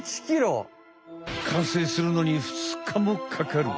完成するのに２日もかかる。